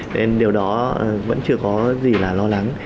nên điều đó vẫn chưa có gì là lo lắng